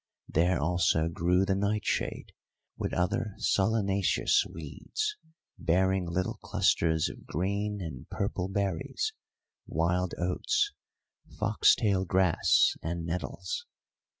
There also grew the nightshade, with other solanaceous weeds, bearing little clusters of green and purple berries, wild oats, fox tail grass, and nettles.